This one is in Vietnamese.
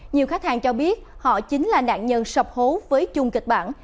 nhiều khách hàng cho biết họ chính là nạn nhân sập hố với chung kịch bản